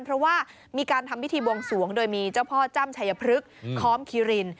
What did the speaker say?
เพราะว่ามีการทำพิธีบวงสวงโดยมีเจ้าพ่อจ้ำชัยพฤกษ์ค้อมคิริน